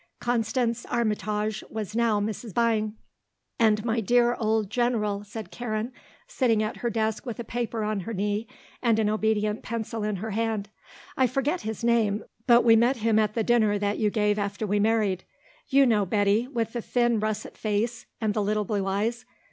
Constance Armytage was now Mrs. Byng. "And my dear old General," said Karen, sitting at her desk with a paper on her knee and an obedient pencil in her hand; "I forget his name, but we met him at the dinner that you gave after we married; you know, Betty, with the thin russet face and the little blue eyes.